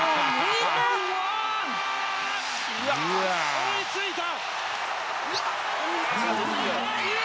追いついた！